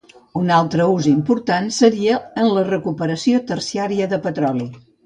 Un altre ús important seria en la recuperació terciària de petroli.